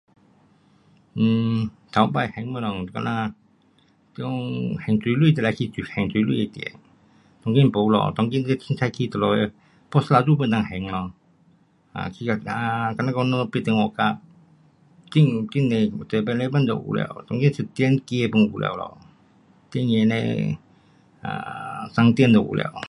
um 头次还东西是讲呐你有还水钱就得去还水钱的店，当今没咯，当今你随便去哪里，postlaju pun 能够还啊，um 比如讲咱们买电话卡，进进这 seven eleven 就有了。你进店 pun 有了，店员那，商店就有了。